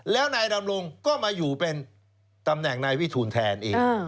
แล้วนายดำรงก็มาอยู่เป็นตำแหน่งนายวิทูลแทนอีก